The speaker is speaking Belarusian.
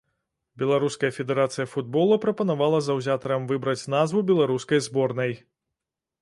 Беларуская федэрацыя футбола прапанавала заўзятарам выбраць назву беларускай зборнай.